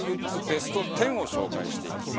ベスト１０を紹介していきます。